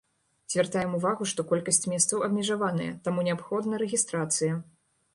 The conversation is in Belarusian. Звяртаем увагу, што колькасць месцаў абмежаваная, таму неабходна рэгістрацыя.